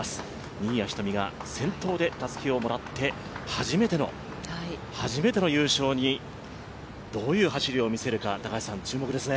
新谷仁美が先頭でたすきをもらって初めての初めての優勝にどういう走りを見せるか高橋さん、注目ですね。